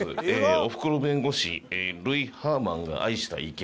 『おふくろ弁護士ルイ・ハーマンが愛した池』。